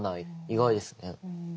意外ですね。